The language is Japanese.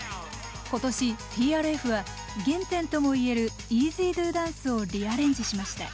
今年ＴＲＦは原点とも言える「ＥＺＤＯＤＡＮＣＥ」をリアレンジしました。